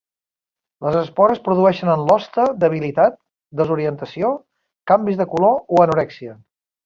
Les espores produeixen en l'hoste debilitat, desorientació, canvis de color o anorèxia.